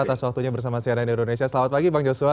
atas waktunya bersama cnn indonesia selamat pagi bang joshua